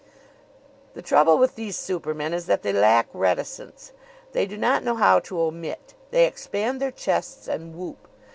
The trouble with these supermen is that they lack reticence. They do not know how to omit. They expand their chests and whoop.